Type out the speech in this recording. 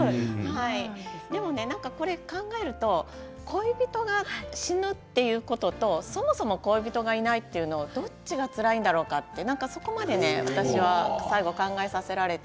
でもなんか、考えると恋人が死ぬということとそもそも恋人がいないということとどちらがつらいんだろうかと何か、そこまで私は最後、考えさせられて。